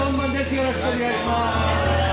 よろしくお願いします！